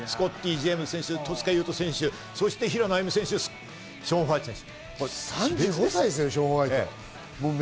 スコッティ・ジェームス選手、戸塚優斗選手、そして平野歩夢選手、ショーン・ホワイト選手。